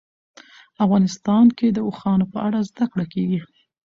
افغانستان کې د اوښانو په اړه زده کړه کېږي.